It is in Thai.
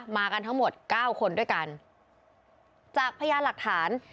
มากันทั้งหมดเก้าคนด้วยกันจากพยานหลักฐาน